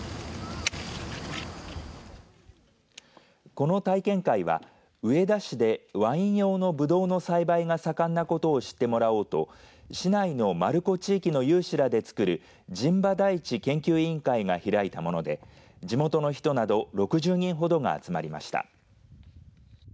この体験会は上田市でワイン用のぶどうの栽培が盛んなことを知ってもらおうと市内の丸子地域の有志らでつくる陣場台地研究委員会が開いたもので地元の人など６０人ほどが集まりました。